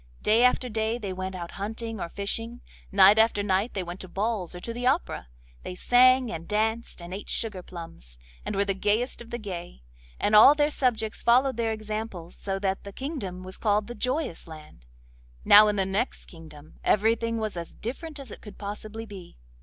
Day after day they went out hunting or fishing; night after night they went to balls or to the opera; they sang, and danced, and ate sugar plums, and were the gayest of the gay, and all their subjects followed their example so that the kingdom was called the Joyous Land. Now in the next kingdom everything was as different as it could possibly be.